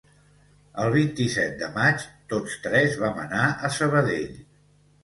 El vint-i-set de maig, tots tres vam anar a Sabadell.